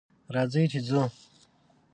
راځئ چې ځو!